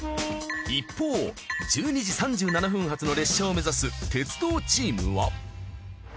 一方１２時３７分発の列車を目指す鉄道チームは。